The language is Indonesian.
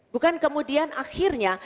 bukan kemudian akhirnya